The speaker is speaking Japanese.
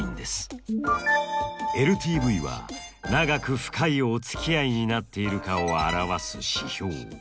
ＬＴＶは長く深いおつきあいになっているかを表す指標。